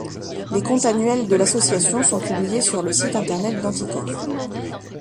Les comptes annuels de l'association sont publiés sur le site internet d'Anticor.